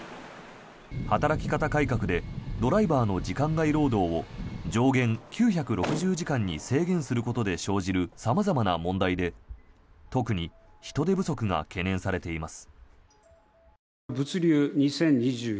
働き方改革でドライバーの時間外労働を上限９６０時間に制限することで生じる様々な問題で特に人手不足が懸念されています。